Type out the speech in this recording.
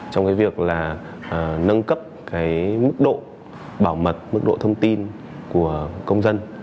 trong việc nâng cấp mức độ bảo mật mức độ thông tin của công dân